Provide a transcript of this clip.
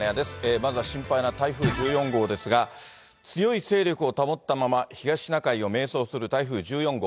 まずは心配な台風１４号ですが、強い勢力を保ったまま東シナ海を迷走する台風１４号。